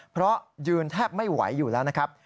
เพราะยืนแทบไม่ไหวอยู่แล้วนะครับ